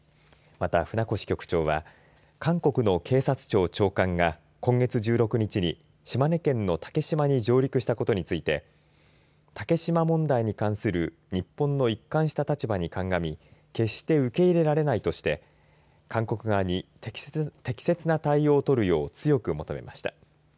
また船越局長は韓国の警察庁長官が今月１６日に島根県の竹島に上陸したことについて竹島問題に関する日本の一貫した立場にかんがみ決して受け入れられないとして韓国側に適切な対応を取るよう強く求めました。